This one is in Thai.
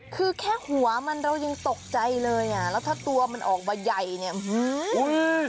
คือแค่หัวมันเรายังตกใจเลยอ่ะแล้วถ้าตัวมันออกมาใหญ่เนี่ย